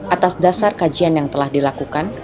atas dasar kajian yang telah dilakukan